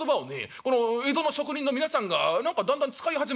この江戸の職人の皆さんが何かだんだん使い始めてるんだな。